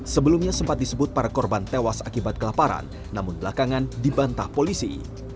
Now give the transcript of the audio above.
sebelumnya sempat disebut para korban tewas akibat kelaparan namun belakangan dibantah polisi